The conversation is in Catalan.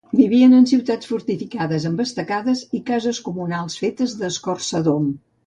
Vivien en ciutats fortificades amb estacades i cases comunals fetes d'escorça d'om.